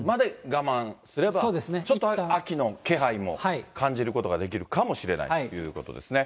ちょっと秋の気配も感じることができるかもしれないということですね。